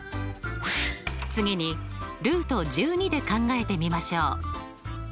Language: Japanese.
次にで考えてみましょう。